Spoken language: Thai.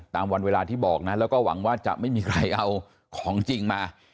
ตามวันเวลาที่บอกนะแล้วก็หวังว่าจะไม่มีใครเอาของจริงมา